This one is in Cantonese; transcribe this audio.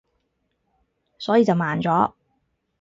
所以就慢咗